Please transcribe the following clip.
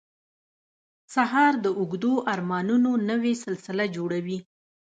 سهار د اوږدو ارمانونو نوې سلسله جوړوي.